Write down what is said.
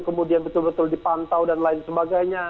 kemudian betul betul dipantau dan lain sebagainya